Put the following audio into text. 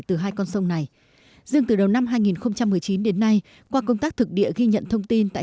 từ hai con sông này dường từ đầu năm hai nghìn một mươi chín đến nay qua công tác thực địa ghi nhận thông tin tại